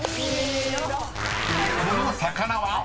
［この魚は？］